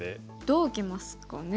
どう受けますかね。